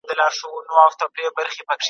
د لیکوالو ورځ د هغوی د معنوي میراث درناوی دی.